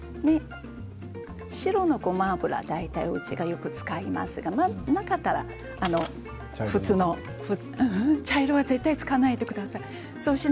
白のごま油うちでよく使いますがなかったら普通の茶色は絶対使わないでください。